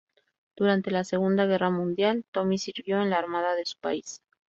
Durante la Segunda Guerra Mundial, Tommy sirvió en la armada de su país.